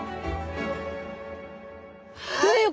はい。